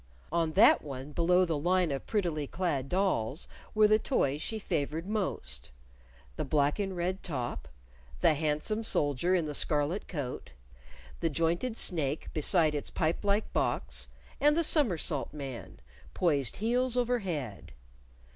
On that one below the line of prettily clad dolls were the toys she favored most the black and red top, the handsome soldier in the scarlet coat, the jointed snake beside its pipe like box, and the somersault man, poised heels over head.